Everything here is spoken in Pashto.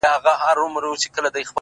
• ژړا هېره خنداګاني سوی ښادي سوه ,